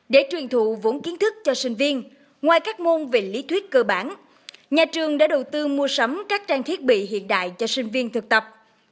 để truyền thụ vốn kiến thức cho sinh viên ngoài các môn về lý thuyết cơ bản nhà trường đã đầu tư mua sắm các trang thiết bị hiện đại cho sinh viên thực tập